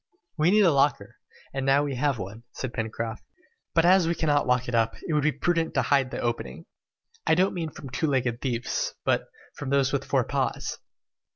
"We needed a locker, and now we have one," said Pencroft; "but as we cannot lock it up, it will be prudent to hide the opening. I don't mean from two legged thieves, but; from those with four paws!"